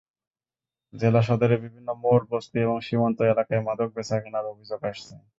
জেলা সদরের বিভিন্ন মোড়, বস্তি এবং সীমান্ত এলাকায় মাদক বেচাকেনার অভিযোগ আসছে।